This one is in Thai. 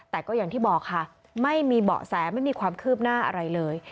แต่ก็อย่างที่บอกค่ะไม่มีเบาะแสไม่มีความคืบหน้าอะไรเลย